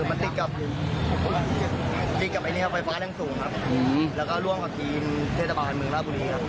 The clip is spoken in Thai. มันติดกับไฟฟ้าดังสูงแล้วก็ร่วมกับทีมเทศบาทเมืองล่าบุรี